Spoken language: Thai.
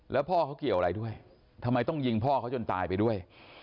แล้วพ่อเขาเกี่ยวอะไรด้วยทำไมต้องยิงพ่อเขาจนตายไปด้วย